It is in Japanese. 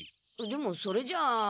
でもそれじゃあ。